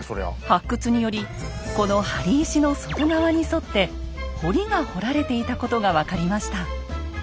発掘によりこの貼り石の外側に沿って堀が掘られていたことが分かりました。